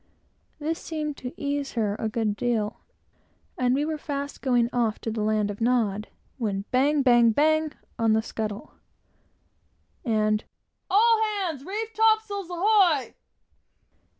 This seemed to ease her a good deal, and we were fast going off to the land of Nod, when bang, bang, bang on the scuttle, and "All hands, reef topsails, ahoy!"